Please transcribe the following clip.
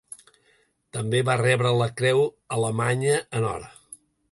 També va rebre la Creu Alemanya en Or.